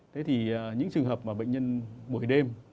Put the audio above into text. thế thì những trường hợp mà bệnh nhân buổi đêm